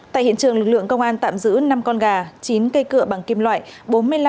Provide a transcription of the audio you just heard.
tại hiện trường lực lượng công an tạm giữ năm con gà chín cây cựa bằng kim loại